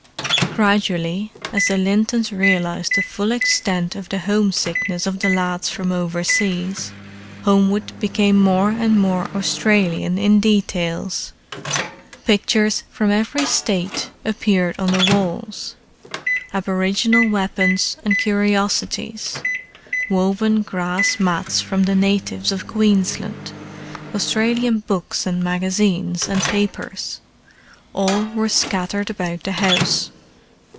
Gradually, as the Lintons realized the full extent of the homesickness of the lads from overseas, Homewood became more and more Australian in details. Pictures from every State appeared on the walls: aboriginal weapons and curiosities, woven grass mats from the natives of Queensland, Australian books and magazines and papers—all were scattered about the house.